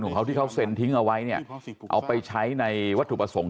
ของเขาที่เขาเซ็นทิ้งเอาไว้เนี่ยเอาไปใช้ในวัตถุประสงค์